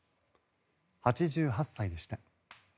８８歳でした。